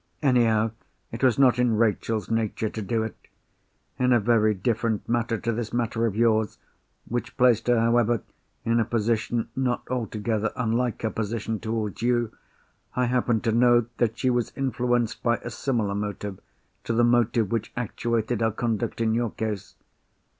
Anyhow, it was not in Rachel's nature to do it. In a very different matter to this matter of yours—which placed her, however, in a position not altogether unlike her position towards you—I happen to know that she was influenced by a similar motive to the motive which actuated her conduct in your case.